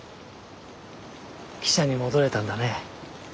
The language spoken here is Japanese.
記者に戻れたんだね。